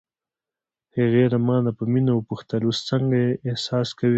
هغې له مانه په مینه وپوښتل: اوس څنګه احساس کوې؟